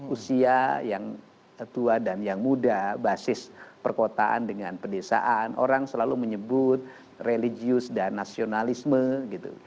usia yang tua dan yang muda basis perkotaan dengan pedesaan orang selalu menyebut religius dan nasionalisme gitu